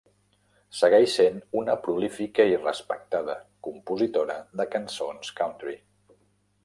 Segueix sent una prolífica i respectada compositora de cançons country.